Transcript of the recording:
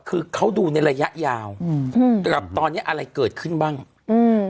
คือเขาดูในระยะยาวอืมกับตอนเนี้ยอะไรเกิดขึ้นบ้างอืม